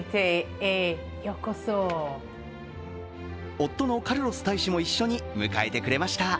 夫のカルロス大使も一緒に迎えてくれました。